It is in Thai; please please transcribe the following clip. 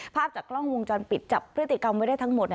ภาพจากกล้องวงจรปิดจับพฤติกรรมไว้ได้ทั้งหมด